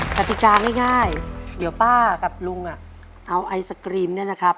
ปฏิการง่ายง่ายเดี๋ยวป้ากับลุงอ่ะเอาไอศครีมเนี่ยนะครับ